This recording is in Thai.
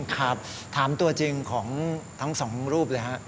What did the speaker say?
ครับถามตัวจริงของทั้งสองรูปเลยฮะ